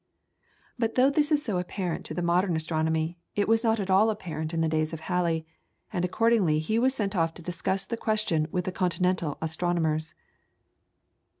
But though this is so apparent to the modern astronomer, it was not at all apparent in the days of Halley, and accordingly he was sent off to discuss the question with the Continental astronomers.